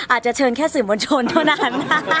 อาจจะเชิญแค่สื่อมวลชนเท่านั้น